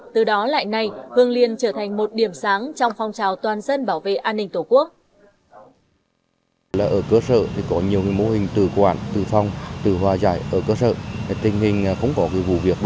từ đó lại nay hương liên trở thành một điểm sáng trong phong trào toàn dân bảo vệ an ninh tổ quốc